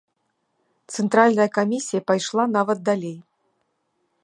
Цэнтральная камісія пайшла нават далей.